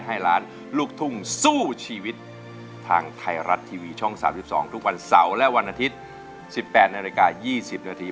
ให้ล้านลูกทุ่งสู้ชีวิตทางไทยรัฐทีวีช่อง๓๒ทุกวันเสาร์และวันอาทิตย์๑๘นาฬิกา๒๐นาที